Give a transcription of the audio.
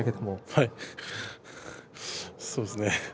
はい、そうですね。